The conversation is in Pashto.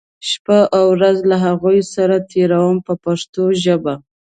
شپه او ورځ له هغو سره تېروم په پښتو ژبه.